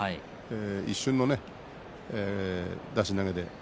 一瞬の出し投げ。